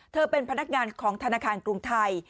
เป็นพนักงานของธนาคารกรุงไทย